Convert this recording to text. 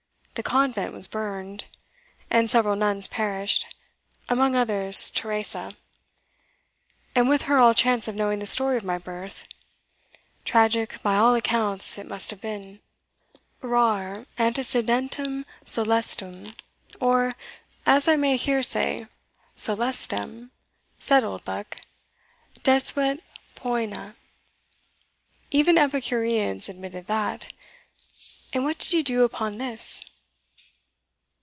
The convent was burned, and several nuns perished among others Teresa; and with her all chance of knowing the story of my birth: tragic by all accounts it must have been." "Raro antecedentem scelestum, or, as I may here say, scelestam," said Oldbuck, "deseruit poena even Epicureans admitted that. And what did you do upon this?"